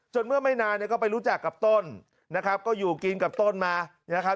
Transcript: เมื่อไม่นานเนี่ยก็ไปรู้จักกับต้นนะครับก็อยู่กินกับต้นมานะครับ